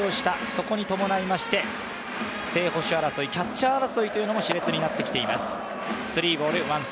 そこに伴いまして正捕手争い、キャッチャー争いというのもしれつになってきています。